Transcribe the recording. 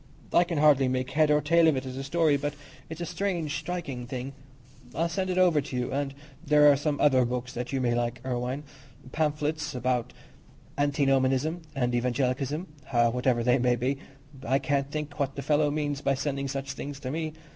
I can hardly make head or tail of it as a story, but it's a strange, striking thing. I'll send it over to you; and there are some other books that you may like to see, Irwine—pamphlets about Antinomianism and Evangelicalism, whatever they may be. I can't think what the fellow means by sending such things to me.